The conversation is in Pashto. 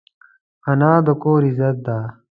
انا د کور عزت ده